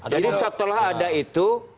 jadi setelah ada itu